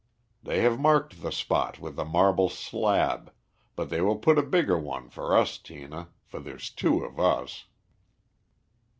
They have marked the spot with a marble slab, but they will put a bigger one for us, Tina, for there's two of us."